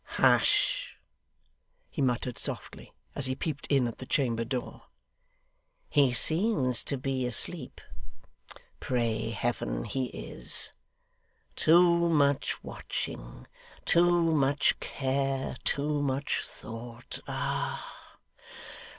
'Hush!' he muttered softly, as he peeped in at the chamber door. 'He seems to be asleep. Pray Heaven he is! Too much watching, too much care, too much thought ah!